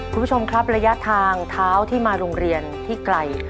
คุณผู้ชมครับระยะทางเท้าที่มาโรงเรียนที่ไกล